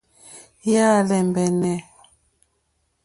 Yà á !lɛ́mbɛ́nɛ́.